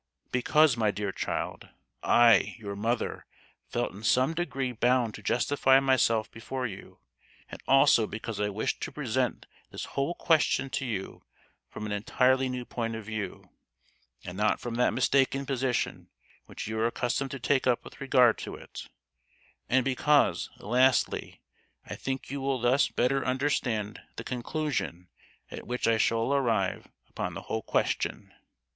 "Because, my dear child, I, your mother, felt in some degree bound to justify myself before you; and also because I wish to present this whole question to you from an entirely new point of view, and not from that mistaken position which you are accustomed to take up with regard to it; and because, lastly, I think you will thus better understand the conclusion at which I shall arrive upon the whole question.